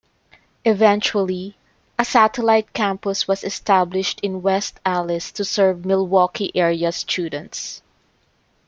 Eventually a satellite campus was established in West Allis to serve Milwaukee area students.